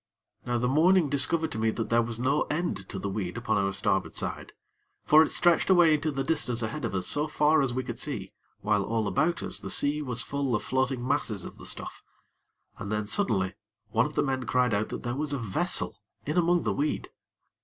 Now the morning discovered to me that there was no end to the weed upon our starboard side; for it stretched away into the distance ahead of us so far as we could see; while all about us the sea was full of floating masses of the stuff. And then, suddenly, one of the men cried out that there was a vessel in among the weed.